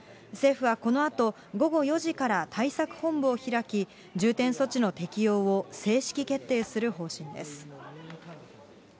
政府はこのあと、午後４時から対策本部を開き、重点措置の適用を正式決定する方針です。